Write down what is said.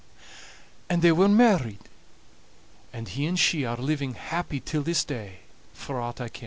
And they were married, and he and she are living happy till this day, for aught I ken.